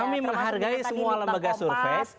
kami menghargai semua lembaga survei